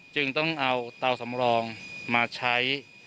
จึงต้องเอาเตาสำรองมาใช้